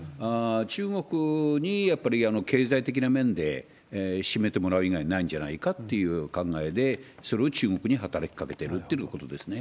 中国にやっぱり経済的な面で占めてもらう以外ないんじゃないかって考えで、それを中国に働きかけてるというようなことですね。